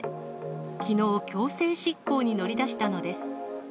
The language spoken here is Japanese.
きのう、強制執行に乗り出したのです。